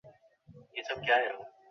যাইবার সময়ও আমার সঙ্গে দেখা হইয়াছে।